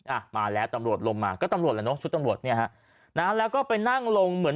อ่ะมาแล้วตำรวจลงมาก็ตำรวจแล้วเนอะชุดตำรวจเนี่ยฮะนะฮะแล้วก็ไปนั่งลงเหมือน